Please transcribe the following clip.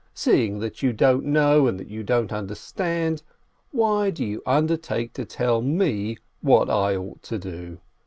Seeing that you don't know, and that you don't under stand, why do you undertake to tell me what I ought to do?"